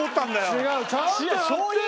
違う。